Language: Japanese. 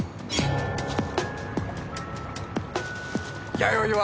弥生は？